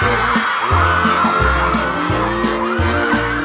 โอเคแต่เราต้องกลับ